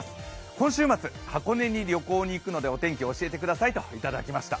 今週末、箱根に旅行に行くのでお天気教えてくださいといただきました。